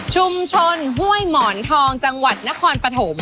ห้วยหมอนทองจังหวัดนครปฐม